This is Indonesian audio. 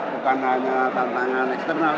bukan hanya tantangan eksternal